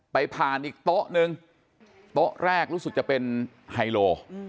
ผ่านอีกโต๊ะนึงโต๊ะแรกรู้สึกจะเป็นไฮโล